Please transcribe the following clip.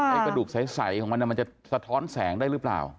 กระดูกใสของมันมันจะสะท้อนแสงได้หรือเปล่า